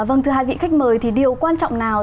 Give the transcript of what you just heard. vâng thưa hai vị khách mời thì điều quan trọng nào